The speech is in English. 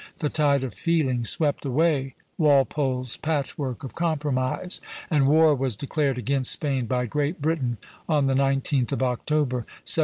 The tide of feeling swept away Walpole's patchwork of compromise, and war was declared against Spain by Great Britain on the 19th of October, 1739.